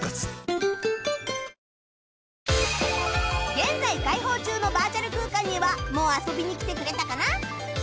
現在開放中のバーチャル空間にはもう遊びに来てくれたかな？